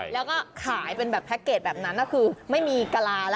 แล้วก็ขายเป็นแบบแพ็คเกจแบบนั้นคือไม่มีกะลาแล้ว